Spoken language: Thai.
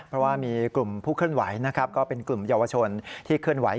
เพราะว่ามีกลุ่มผู้เคลื่อนไหวนะครับก็เป็นกลุ่มเยาวชนที่เคลื่อนไหว